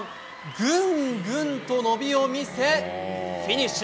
ぐんぐん伸びを見せフィニッシュ。